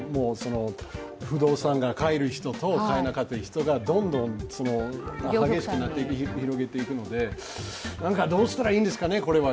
不動産を買える人と買えない人がどんどん格差が広がっていくのでなんか、どうしたらいいんですかね、これは。